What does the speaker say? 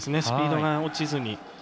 スピードが落ちずに。